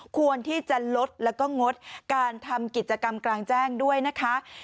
ควรที่จะลดแล้วก็งดการทำกิจกรรมกลางแจ้งด้วยนะคะ